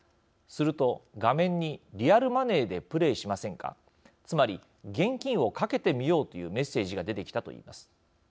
すると、画面にリアルマネーでプレイしませんかつまり、現金を賭けてみようというメッセージが出てきたと言います。